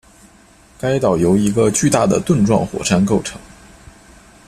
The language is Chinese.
该岛由一个巨大的盾状火山构成